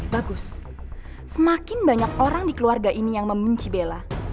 bagus semakin banyak orang di keluarga ini yang membenci bella